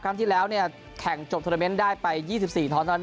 ครั้งที่แล้วแข่งจบธุรมิตได้ไป๒๔ทอง